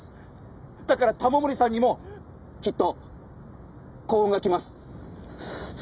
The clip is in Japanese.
だから玉森さんにもきっと幸運が来ます。